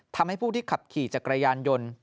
ทำให้ผู้ที่ขับขี่จักรยานยนต์